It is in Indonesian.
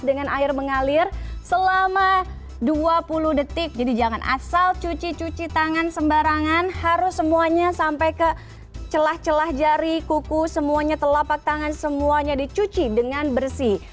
dengan air mengalir selama dua puluh detik jadi jangan asal cuci cuci tangan sembarangan harus semuanya sampai ke celah celah jari kuku semuanya telapak tangan semuanya dicuci dengan bersih